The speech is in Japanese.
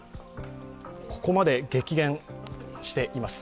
ここまで激減しています。